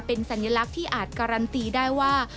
เป็นสัญลักษณ์ที่อาจการันตีได้ว่า